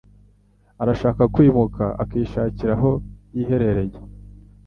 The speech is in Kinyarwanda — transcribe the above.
Arashaka kwimuka akishakira aho yiherereye.